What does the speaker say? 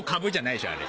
あれ。